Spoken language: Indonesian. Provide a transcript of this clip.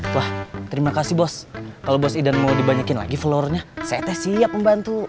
wah terima kasih bos kalau bos idan mau dibanyakin lagi floornya saatnya siap membantu